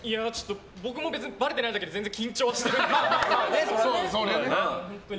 僕も別にばれてないだけで緊張はしてるんですけど。